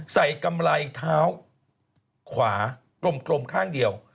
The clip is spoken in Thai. กำไรเท้าขวากลมข้างเดียว